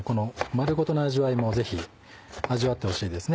丸ごとの味わいもぜひ味わってほしいですね。